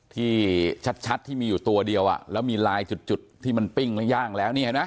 ที่ชัดที่มีอยู่ตัวเดียวอ่ะแล้วมีลายจุดที่มันปิ้งแล้วย่างแล้วนี่เห็นไหม